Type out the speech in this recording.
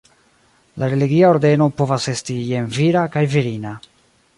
La religia ordeno povas esti jen vira kaj virina.